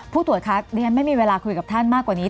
ผู้ตรวจค้าเรียนไม่มีเวลาคุยกับท่านมากกว่านี้